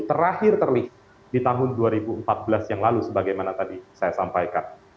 terakhir terlihat di tahun dua ribu empat belas yang lalu sebagaimana tadi saya sampaikan